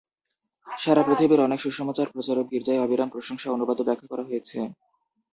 সারা পৃথিবীর অনেক সুসমাচার প্রচারক গির্জায় অবিরাম প্রশংসা অনুবাদ ও ব্যাখ্যা করা হয়েছে।